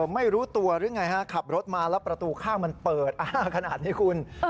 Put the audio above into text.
ไม่รู้ตัวหรือไงฮะขับรถมาแล้วประตูข้างมันเปิดขนาดนี้คุณ